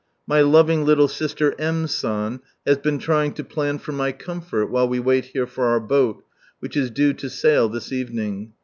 My loving little Bister M. San has been trying to plan for my comfort, while we wait here for our boat, which is due to sail this evening.